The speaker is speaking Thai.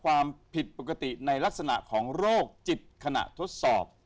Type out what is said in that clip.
ความผิดปกติในลักษณะของโรคจิตขณะทดสอบ